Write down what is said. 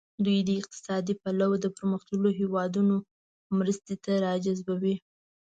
دوی د اقتصادي پلوه د پرمختللو هیوادونو مرستې را جذبوي.